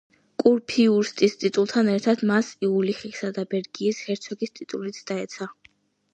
კურფიურსტის ტიტულთან ერთად მას იულიხისა და ბერგის ჰერცოგის ტიტულიც გადაეცა.